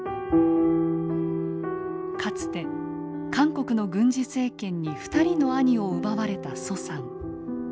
かつて韓国の軍事政権に２人の兄を奪われた徐さん。